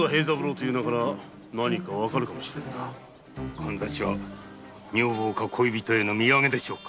カンザシは女房か恋人への土産でしょうか？